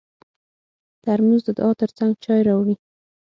ترموز د دعا تر څنګ چای راوړي.